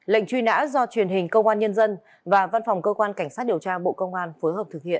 lệnh truy nã do truyền hình công an nhân dân và văn phòng cơ quan cảnh sát điều tra bộ công an phối hợp thực hiện